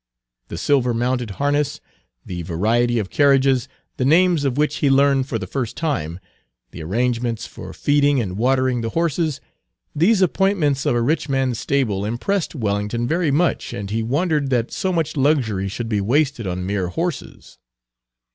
The silver mounted harness, the variety of carriages, the names of which he learned for the first time, the arrangements for feeding and watering the horses, these appointments of a rich man's stable impressed Wellington very much, and he wondered that so much luxury should be wasted on mere horses.